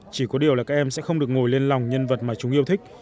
chỉ có điều là các em sẽ không được ngồi lên lòng nhân vật mà chúng yêu thích